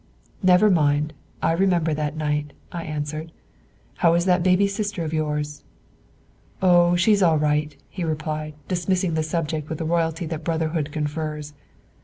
'Never mind; I remember that night,' I answered. 'How is that baby sister of yours?' 'Oh, she's all right,' he replied dismissing the subject with the royalty that brotherhood confers.